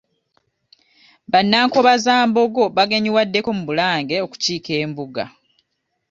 Bannankobazambogo bagenyiwaddeko mu Bulange okukiika embuga.